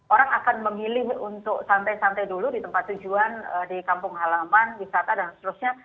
orang akan memilih untuk santai santai dulu di tempat tujuan di kampung halaman wisata dan seterusnya